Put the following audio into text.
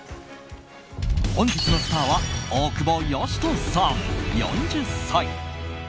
本日のスターは大久保嘉人さん、４０歳。